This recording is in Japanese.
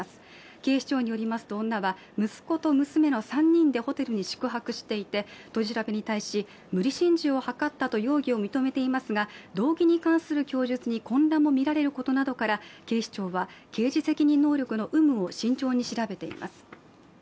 警視庁によりますと、女は息子と娘の３人でホテルに宿泊していて取り調べに対し、無理心中を図ったと容疑を認めていますが、動機に関する供述に混乱もみられることなどから、警視庁は、刑事責任能力の有無を慎重に調べています。